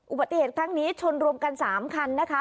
อุบัติเหตุครั้งนี้ชนรวมกัน๓คันนะคะ